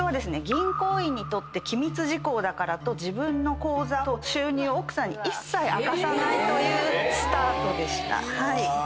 銀行員にとって機密事項だからと自分の口座と収入を奥さんに一切明かさないというスタートでした。